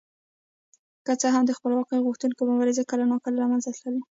که څه هم د خپلواکۍ غوښتونکو مبارزې کله ناکله له منځه تللې.